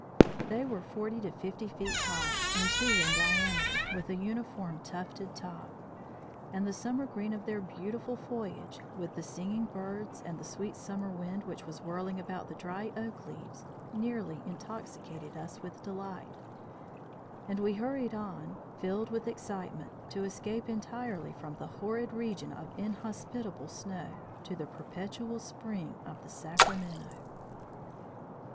They were forty to fifty feet high, and two in diameter, with a uniform tufted top; and the summer green of their beautiful foliage, with the singing birds, and the sweet summer wind which was whirling about the dry oak leaves, nearly intoxicated us with delight; and we hurried on, filled with excitement, to escape entirely from the horrid region of inhospitable snow, to the perpetual spring of the Sacramento.